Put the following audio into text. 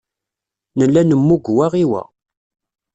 Nella nemmug wa i wa.